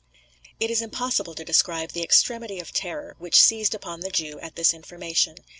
It is impossible to describe the extremity of terror which seized upon the Jew at this information.